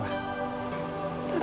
tante ayu lumpuh sekarang